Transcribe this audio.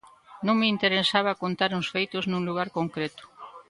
Non me interesaba contar uns feitos nun lugar concreto.